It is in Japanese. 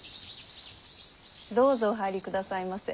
どうぞお入りくださいませ。